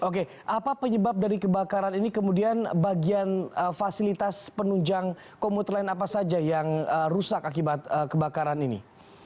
oke apa penyebab dari kebakaran ini kemudian bagian fasilitas penunjang komuter lain apa saja yang rusak akibat kebakaran ini